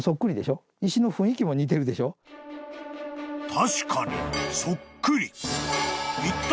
［確かにそっくり］